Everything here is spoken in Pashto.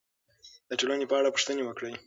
د ټولنې په اړه پوښتنې وکړئ.